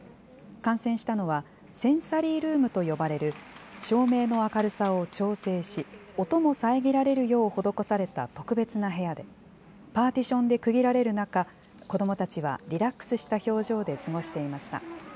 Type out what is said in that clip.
観戦したのは、センサリールームと呼ばれる、照明の明るさを調整し、音も遮られるよう施された特別な部屋で、パーティションで区切られる中、子どもたちはリラックスした表情で過ごしていました。